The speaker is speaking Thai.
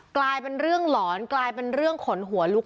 กลายเป็นเรื่องหลอนกลายเป็นเรื่องขนหัวลุก